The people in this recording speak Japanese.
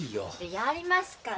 やりますから。